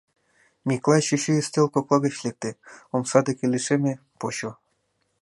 Миклай чӱчӱ ӱстел кокла гыч лекте, омса деке лишеме, почо.